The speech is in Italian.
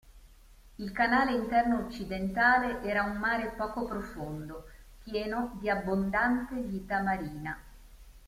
Il canale interno occidentale era un mare poco profondo, pieno di abbondante vita marina.